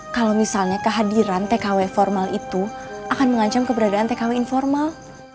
kalau misalnya kehadiran tkw formal itu akan mengancam keberadaan tkw informal